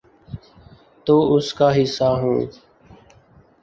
تو اس کا حصہ ہوں۔